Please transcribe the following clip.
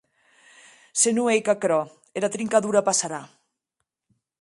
Se non ei qu’aquerò, era trincadura passarà.